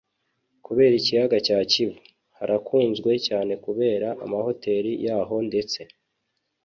kubera ikiyaga cya kivu. harakunzwe cyane kubera amahoteri yaho ndetse